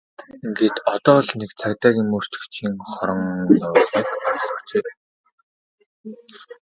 Ингээд одоо л нэг юм цагдаагийн мөрдөгчийн хорон явуулгыг ойлгожээ!